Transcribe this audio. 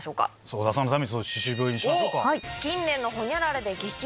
小田さんのために歯周病にしましょうか。